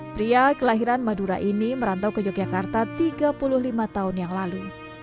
pria kelahiran madura ini merantau ke yogyakarta tiga puluh lima tahun yang lalu